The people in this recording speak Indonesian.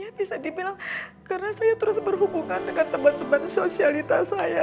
saya bisa dibilang karena saya terus berhubungan dengan teman teman sosialitas saya